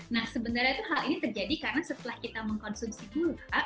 nah sebenarnya hal ini terjadi karena setelah kita mengkonsumsi gula